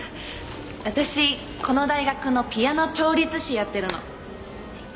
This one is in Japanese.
私この大学のピアノ調律師やってるの。